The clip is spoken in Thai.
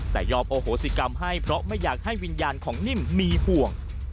แต่ยอมโอโหสิกรรมให้เพราะไม่อยากให้วิญญาณของนิ่มมีห่วง